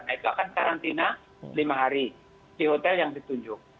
nah itu akan karantina lima hari di hotel yang ditunjuk